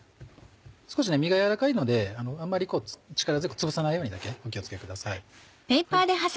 少し身が軟らかいのであんまり力強くつぶさないようにだけお気を付けください。